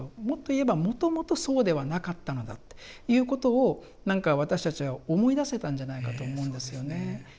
もっと言えばもともとそうではなかったのだっていうことを何か私たちは思い出せたんじゃないかと思うんですよね。